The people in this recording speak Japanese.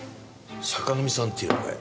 坂上さんっていうのかい？